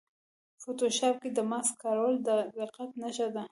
فوټوشاپ کې د ماسک کارول د دقت نښه ده.